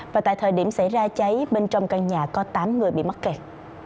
và tại thời điểm xảy ra cháy bên trong căn nhà có tám người bị mắc kẹt